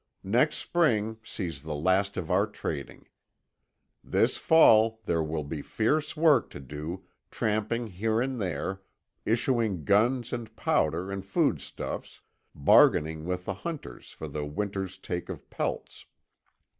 Next spring sees the last of our trading. This fall there will be fierce work to do, tramping here and there, issuing guns and powder and foodstuffs, bargaining with the hunters for the winter's take of pelts.